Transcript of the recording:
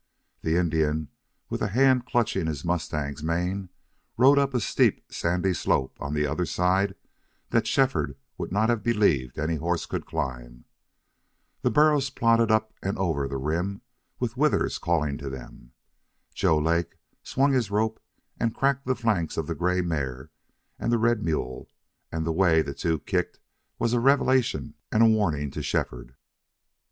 The Indian, with a hand clutching his mustang's mane, rode up a steep, sandy slope on the other side that Shefford would not have believed any horse could climb. The burros plodded up and over the rim, with Withers calling to them. Joe Lake swung his rope and cracked the flanks of the gray mare and the red mule; and the way the two kicked was a revelation and a warning to Shefford.